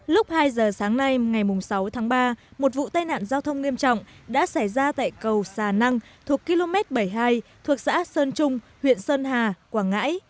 lúc hai giờ sáng nay ngày sáu tháng ba một vụ tai nạn giao thông nghiêm trọng đã xảy ra tại cầu xà năng thuộc km bảy mươi hai thuộc xã sơn trung huyện sơn hà quảng ngãi